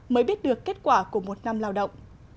mới biết được kết quả của một năm lao động